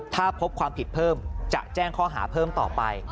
ถ้าพบความผิดเพิ่มจะแจ้งข้อหาเพิ่มต่อไป